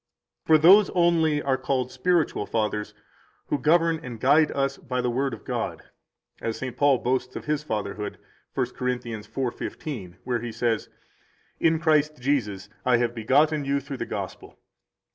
For those only are called spiritual fathers who govern and guide us by the Word of God; 159 as St. Paul boasts his fatherhood 1 Cor. 4:15, where he says: In Christ Jesus I have begotten you through the Gospel.